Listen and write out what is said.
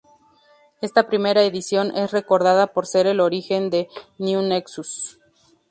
Esta primera edición es recordada por ser el origen de The Nexus.